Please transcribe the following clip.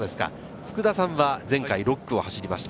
佃さんは前回６区を走りました。